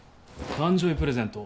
誕生日プレゼント？